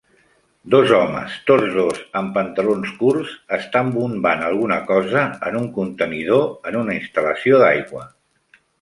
Dos homes, tots dos amb pantalons curts, estan bombant alguna cosa en un contenidor en una instal·lació d'aigua.